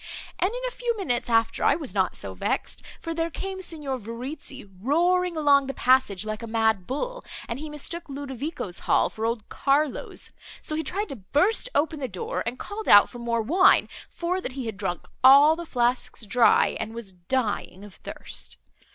And in a few minutes after I was not so vexed, for there came Signor Verezzi roaring along the passage, like a mad bull, and he mistook Ludovico's hall, for old Carlo's; so he tried to burst open the door, and called out for more wine, for that he had drunk all the flasks dry, and was dying of thirst.